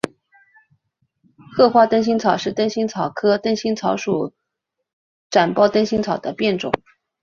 褐花灯心草是灯心草科灯心草属展苞灯心草的变种。